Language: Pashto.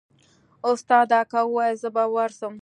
استاده که واياست زه به ورسم.